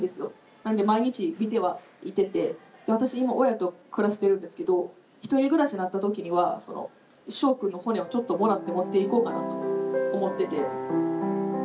なので毎日見てはいてて私今親と暮らしてるんですけど１人暮らしなったときにはそのしょうくんの骨をちょっともらって持っていこうかなと思ってて。